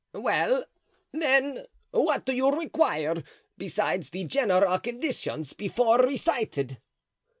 "Well, then, what do you require besides the general conditions before recited?"